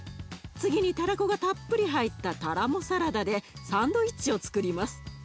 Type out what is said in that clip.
次にタラコがたっぷり入ったタラモサラダでサンドイッチをつくります。